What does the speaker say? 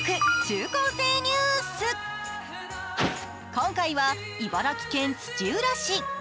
今回は茨城県土浦市。